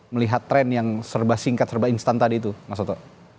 melihat tren yang serba singkat serba instan tadi itu mas soto